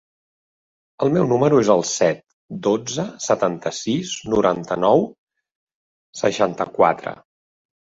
El meu número es el set, dotze, setanta-sis, noranta-nou, seixanta-quatre.